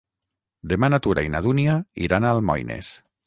Demà na Tura i na Dúnia iran a Almoines.